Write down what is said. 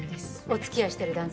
お付き合いしてる男性は？